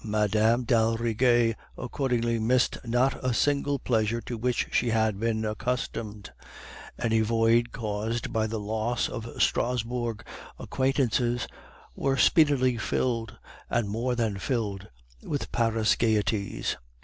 Mme. d'Aldrigger accordingly missed not a single pleasure to which she had been accustomed; any void caused by the loss of Strasbourg acquaintances were speedily filled, and more than filled, with Paris gaieties.